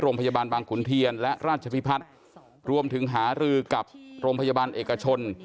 โรงพยาบาลบางขุนเทียนและราชพิพัฒน์รวมถึงหารือกับโรงพยาบาลเอกชน